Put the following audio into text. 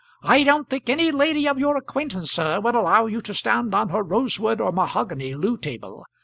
"I don't think any lady of your acquaintance, sir, would allow you to stand on her rosewood or mahogany loo table.